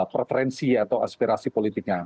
preferensi atau aspirasi politiknya